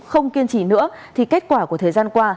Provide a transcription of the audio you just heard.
không kiên trì nữa thì kết quả của thời gian qua